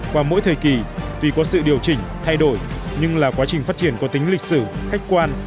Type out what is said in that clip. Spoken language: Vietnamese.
qua mỗi thời kỳ tuy có sự điều chỉnh thay đổi nhưng là quá trình phát triển có tính lịch sử khách quan